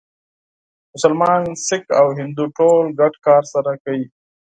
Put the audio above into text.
مسلمان، سیکه او هندو ټول ګډ کار سره کوي.